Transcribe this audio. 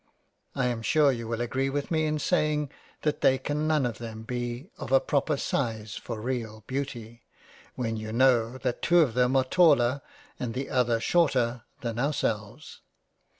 I am sure you will agree with me in saying that they can none of them be of a proper size for real Beauty, when 74 £ LESLEY CASTLE £ you know that two of them are taller and the other shorter than ourselves.